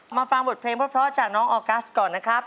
มาฟังบทเพลงเพราะจากน้องออกัสก่อนนะครับ